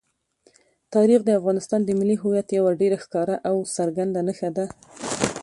تاریخ د افغانستان د ملي هویت یوه ډېره ښکاره او څرګنده نښه ده.